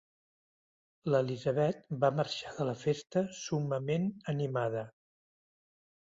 L'Elizabeth va marxar de la festa summament animada.